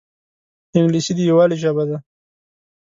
انګلیسي د یووالي ژبه ده